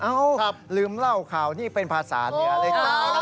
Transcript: อ้าวลืมเล่าข่าวนี่เป็นภาษาเหนือเลย